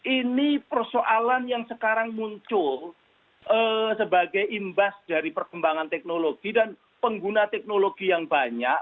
ini persoalan yang sekarang muncul sebagai imbas dari perkembangan teknologi dan pengguna teknologi yang banyak